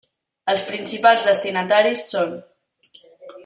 Els principals destinataris són: